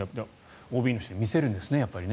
ＯＢの人に見せるんですねやっぱり。